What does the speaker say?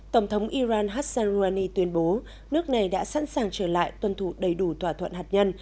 tổng thống iran hassan rouhani tuyên bố nước này đã sẵn sàng trở lại tuân thủ đầy đủ thỏa thuận hạt nhân